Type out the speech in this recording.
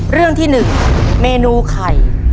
เรื่องที่หนึ่งเมนูไข่